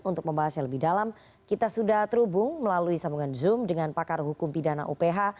untuk membahas yang lebih dalam kita sudah terhubung melalui sambungan zoom dengan pakar hukum pidana uph